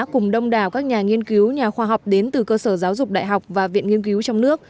cùng đông đảo các nhà nghiên cứu nhà khoa học đến từ cơ sở giáo dục đại học và viện nghiên cứu trong nước